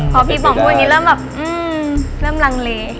พอพี่ป๋องพูดอย่างนี้เริ่มแบบเริ่มลังเล